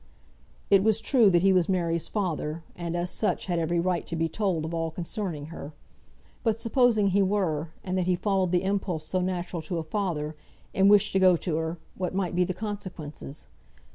It was true that he was Mary's father, and as such had every right to be told of all concerning her; but supposing he were, and that he followed the impulse so natural to a father, and wished to go to her, what might be the consequences?